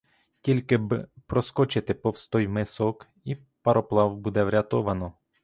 Тільки б проскочити повз той мисок, і пароплав буде врятовано.